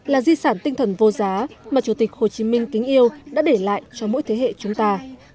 là di sản tinh thần vô giá mà chủ tịch hồ chí minh kính yêu đã để lại cho mỗi thế hệ chúng ta